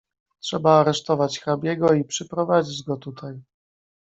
"Trzeba aresztować hrabiego i przyprowadzić go tutaj."